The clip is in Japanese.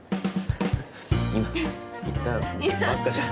今言ったばっかじゃん。